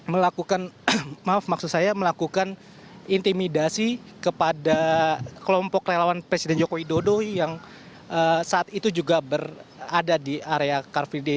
melakukan maaf maksud saya melakukan intimidasi kepada kelompok relawan presiden jokowi dodo yang saat itu juga berada di area car free day